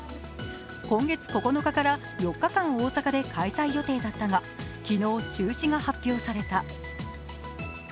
今月９日から４日間、大阪で開催予定だったが昨日、中止が発表された。